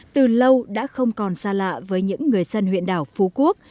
từ lâu đã không còn xa lạ với những người dân huyện đảo phú quốc